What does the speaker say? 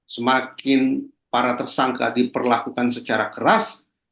semakin para tersangka diperlakukan secara keras